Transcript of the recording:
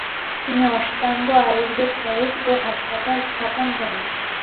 তিনি অষ্টাঙ্গ আয়ুর্বেদ কলেজ ও হাসপাতাল স্থাপন করেন।